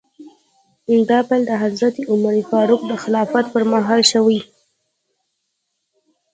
دا پیل د حضرت عمر فاروق د خلافت په مهال شوی.